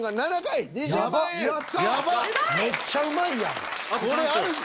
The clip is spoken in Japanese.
めっちゃうまいやん。